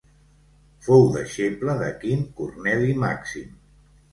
Fou deixeble de Quint Corneli Màxim.